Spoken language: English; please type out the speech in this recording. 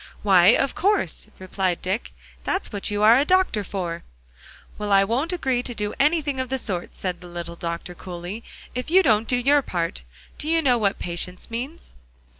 "Why, of course," replied Dick; "that's what you are a doctor for." "Well, I won't agree to do anything of the sort," said the little doctor coolly, "if you don't do your part. Do you know what patience means?"